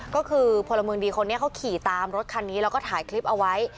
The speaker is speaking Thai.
ก็คือพลเมืองดีคนนี้เขาขี่ตามรถคันนี้แล้วก็ถ่ายคลิปเอาไว้